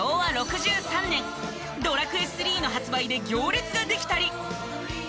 『ドラクエⅢ』の発売で行列ができたり。